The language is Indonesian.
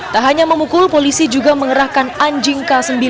tak hanya memukul polisi juga mengerahkan anjing k sembilan